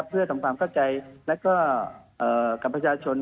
เพื่อตรงความเข้าใจแล้วก็กับประชาชน